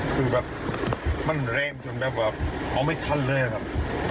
คือแบบมันแรงจนแบบเอาไม่ทันเลยครับ